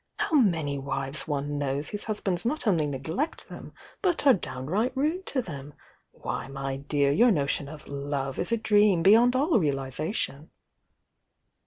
How many wives one knows whose husbands not only neglect them, but are downright rude to them!— Why, my dear, your no <"t,° 1°,^^ '®*'''■*'*™' beyond all realisation!"